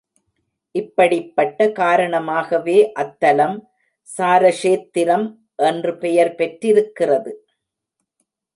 இப்படிப் பட்ட காரணமாகவே அத்தலம் சாரக்ஷேத்திரம் என்று பெயர் பெற்றிருக்கிறது.